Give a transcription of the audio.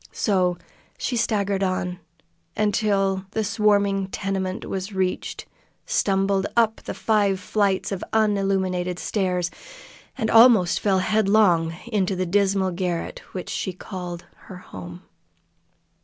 So she staggered on until the swarming tenement was reached, stumbled up the five flights of unillumined stairs, and almost fell headlong into the dismal garret which she called her home.